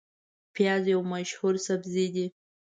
پیاز یو مشهور سبزی دی